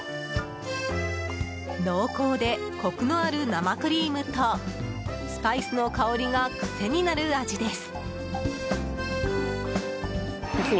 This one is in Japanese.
濃厚でコクのある生クリームとスパイスの香りがクセになる味です。